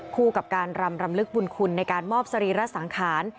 คู่กับการรำรำลึกบุญคุณในการมอบสรีระสังขาร